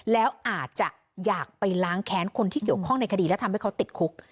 แล้วอาจจะอยากไปล้างแค้นคนที่เกี่ยวข้องในคดีแล้วทำให้เขาติดคุก